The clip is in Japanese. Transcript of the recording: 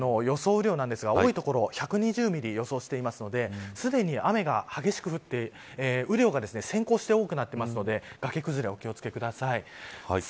雨量なんですが多い所１２０ミリ予想しているのですでに雨が激しく降って雨量が先行して多くなっているので崖崩れにお気を付けください。